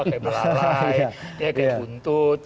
kayak belalai kayak kuntut